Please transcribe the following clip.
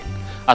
atau setiap hari